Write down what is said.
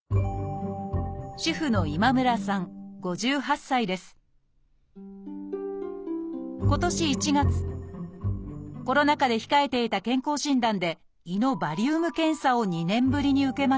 主婦の今年１月コロナ禍で控えていた健康診断で胃のバリウム検査を２年ぶりに受けました。